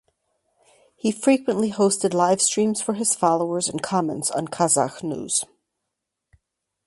He frequently hosted live streams for his followers and comments on Kazakh news.